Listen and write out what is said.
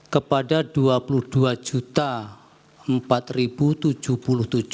kepada rp dua puluh dua empat tujuh puluh tujuh